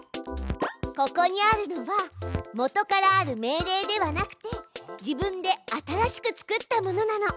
ここにあるのはもとからある命令ではなくて自分で新しく作ったものなの。